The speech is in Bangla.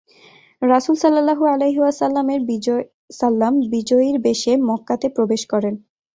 রাসূল সাল্লাল্লাহু আলাইহি ওয়াসাল্লাম বিজয়ীর বেশে মক্কাতে প্রবেশ করেন।